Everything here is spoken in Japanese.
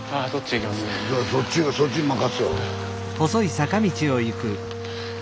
いやそっちがそっちに任すわ。